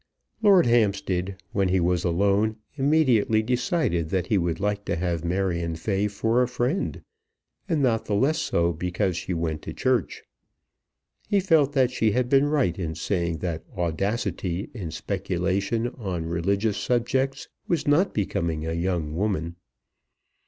Lord Hampstead when he was alone immediately decided that he would like to have Marion Fay for a friend, and not the less so because she went to church. He felt that she had been right in saying that audacity in speculation on religious subjects was not becoming a young woman.